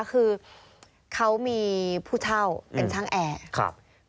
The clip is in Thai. เขามีผู้เช่าเป็นช่างแอแห้ง